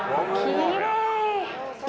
きれい。